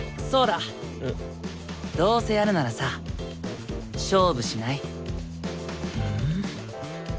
どうせやるならさ勝負しない？